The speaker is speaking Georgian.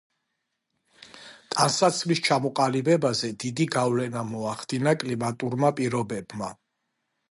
ტანსაცმლის ჩამოყალიბებაზე დიდი გავლენა მოახდინა კლიმატურმა პირობებმა.